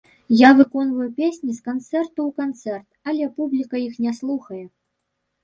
Я выконваю песні з канцэрту ў канцэрт, але публіка іх не слухае.